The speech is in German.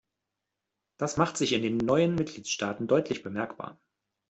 Das macht sich in den neuen Mitgliedstaaten deutlich bemerkbar.